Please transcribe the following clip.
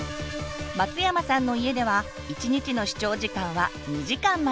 松山さんの家では１日の視聴時間は２時間まで。